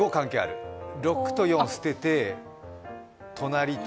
６と４捨てて、隣と。